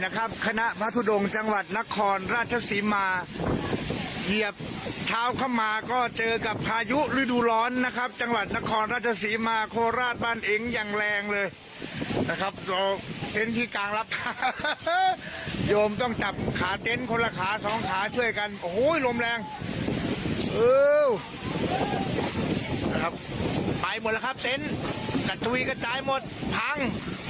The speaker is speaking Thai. ครับไปหมดละครับเต้นกัดทวีก็จายหมดพัง